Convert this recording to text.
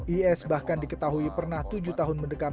is bahkan diketahui pernah tujuh tahun mendekam